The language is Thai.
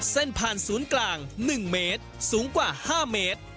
เส้นผ่านศูนย์กลาง๑เมตรสูงกว่า๕เมตร